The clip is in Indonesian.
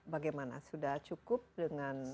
bagaimana sudah cukup dengan